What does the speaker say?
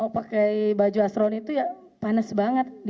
pakai baju astron itu ya panas banget